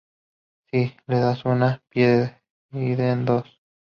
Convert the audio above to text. Si le das una, piden dos.